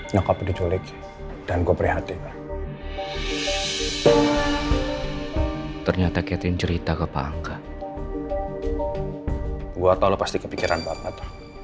nyokap diculik dan gue prihatin ternyata ketin cerita ke pangka gua tahu pasti kepikiran banget